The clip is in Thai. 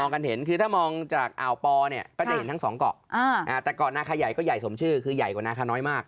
แต่เกาะหน้าคาใหญ่ก็ใหญ่สมชื่อคือใหญ่กว่าน้าคาน้อยมาก